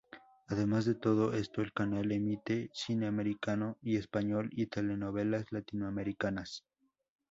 Además de todo esto el canal emite cine americano y español, y telenovelas latinoamericanas.